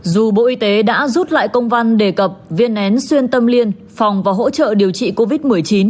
dù bộ y tế đã rút lại công văn đề cập viên én xuyên tâm liên phòng và hỗ trợ điều trị covid một mươi chín